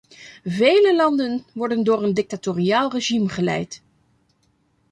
Vele landen worden door een dictatoriaal regime geleid.